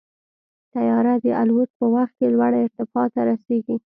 طیاره د الوت په وخت کې لوړ ارتفاع ته رسېږي.